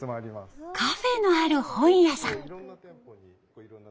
カフェのある本屋さん。